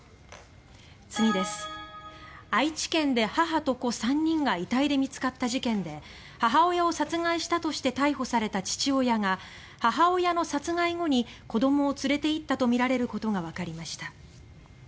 愛知県で母と子３人が遺体で見つかった事件で母親を殺害したとして逮捕された父親が母親の殺害後に子どもを連れて行ったとみられることがわかりました。